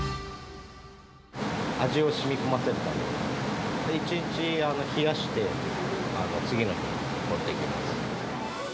味をしみこませるため、一日冷やして次の日、持っていきます。